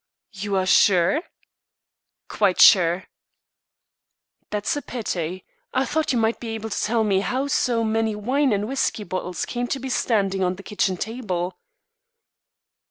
"You are sure?" "Quite sure." "That's a pity. I thought you might be able to tell me how so many wine and whiskey bottles came to be standing on the kitchen table."